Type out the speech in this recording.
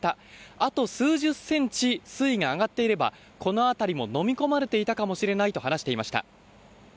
あと数十センチ水位が上がっていれば、この辺りものみ込まれていたかもしれないと話していました。